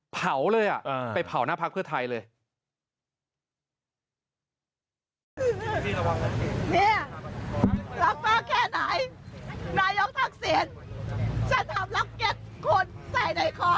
เผาเลยไปเผาหน้าพักเพื่อไทยเลย